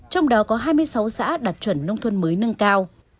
trong đó có hai mươi sáu xã đạt chuẩn nông thôn mới nâng cao